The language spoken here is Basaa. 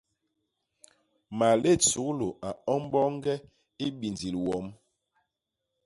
Malét suglu a ñom boñge i bindil wom.